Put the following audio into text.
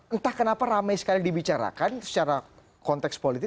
entah kenapa ramai sekali dibicarakan secara konteks politik